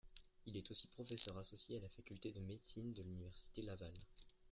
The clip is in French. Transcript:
Il est aussi professeur associé à la Faculté de médecine de l’Université Laval.